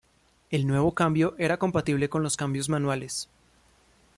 El nuevo cambio era compatible con los cambios manuales.